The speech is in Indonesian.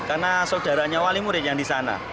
karena saudaranya wali murid yang di sana